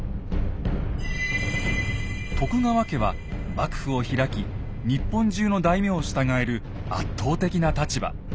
徳川家は幕府を開き日本中の大名を従える圧倒的な立場。